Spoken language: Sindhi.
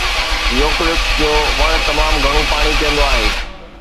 يوڪلپٽس جو وڻ تمام گهڻو پاڻي پيئندو آهي.